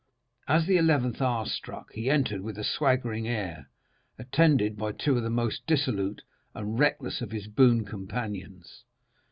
"As the eleventh hour struck, he entered with a swaggering air, attended by two of the most dissolute and reckless of his boon companions.